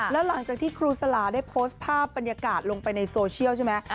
แล้วหลังจากที่ครูสลาได้โพสต์ภาพบรรยากาศลงไปในโซเชียลใช่ไหม